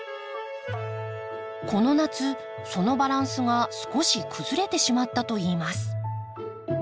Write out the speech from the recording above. この夏そのバランスが少し崩れてしまったといいます。